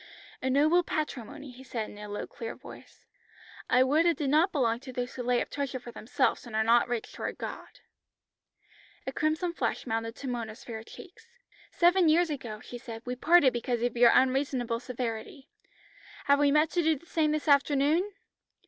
"A noble patrimony," he said in a low clear voice. "I would it did not belong to those who lay up treasure for themselves and are not rich toward God." A crimson flush mounted to Mona's fair cheeks. "Seven years ago," she said "we parted because of your unreasonable severity. Have we met to do the same this afternoon?"